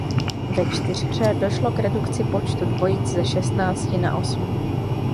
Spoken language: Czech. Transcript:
Ve čtyřhře došlo k redukci počtu dvojic ze šestnácti na osm.